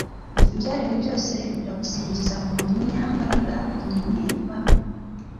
Ibyaremwe byose biragusingiza :Ur'umunyambarag'ur'umunyebambe: